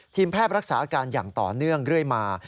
แพทย์รักษาอาการอย่างต่อเนื่องเรื่อยมา